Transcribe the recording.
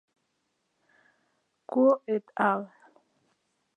Kuo et al.